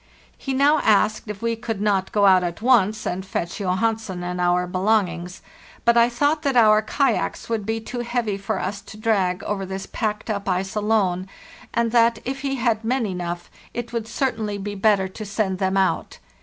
He now asked if we could not go out at once and fetch Johansen and our belongings ; but I thought that our kayaks would be too heavy for us to drag over this packed up ice alone, and that if he had men enough it would certainly be better to FARTHEST NORTH wo Oo =i send them out.